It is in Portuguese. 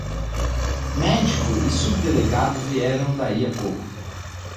Médico e subdelegado vieram daí a pouco.